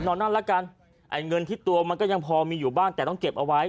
นั่นละกันไอ้เงินที่ตัวมันก็ยังพอมีอยู่บ้างแต่ต้องเก็บเอาไว้